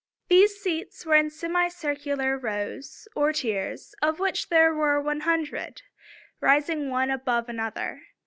These seats were in semicircular rows or tiers, of which there were one hundred, rising one above another.